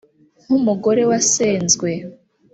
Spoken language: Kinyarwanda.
nk’umugore wasenzwe